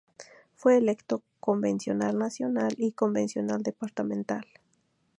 Fue electo Convencional Nacional y Convencional Departamental.